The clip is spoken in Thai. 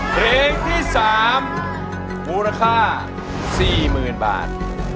เพลงที่๓มูลค่า๔๐๐๐บาท